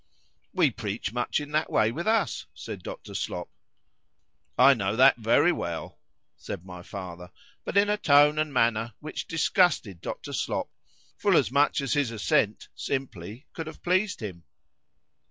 ——We preach much in that way with us, said Dr. Slop.—I know that very well, said my father,—but in a tone and manner which disgusted Dr. Slop, full as much as his assent, simply, could have pleased him.